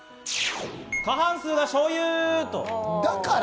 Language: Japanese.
過半数がしょうゆ。